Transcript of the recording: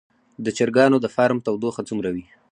د چرګانو د فارم تودوخه څومره وي؟